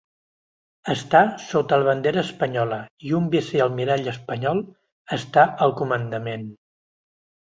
Està sota la bandera espanyola i un vicealmirall espanyol està al comandament.